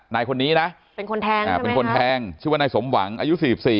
นายคนนี้นะเป็นคนแทงเป็นคนแทงชื่อว่านายสมหวังอายุ๔๔